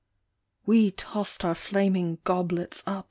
We tossed our flaming goblets up.